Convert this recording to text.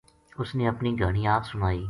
اُس نے اپنی گھانی آپ سنائی